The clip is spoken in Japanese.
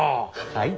はい。